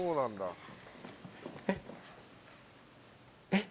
えっ？